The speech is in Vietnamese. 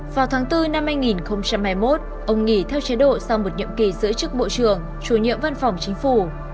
vào tháng bốn năm hai nghìn hai mươi một ông nghỉ theo chế độ sau một nhiệm kỳ giữ chức bộ trưởng chủ nhiệm văn phòng chính phủ